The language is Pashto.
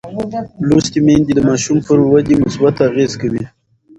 لوستې میندې د ماشوم پر ودې مثبت اغېز کوي.